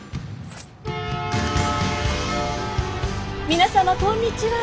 ・皆様こんにちは。